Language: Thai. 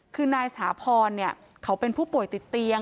คือนายสถาพรเขาเป็นผู้ป่วยติดเตียง